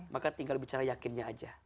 maka tinggal bicara yakinnya aja